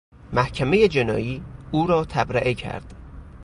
محکمهٔ جنائی او را تبرئه کرد.